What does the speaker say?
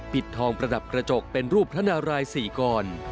ปิดทองประดับกระจกเป็นรูปพระนาราย๔กร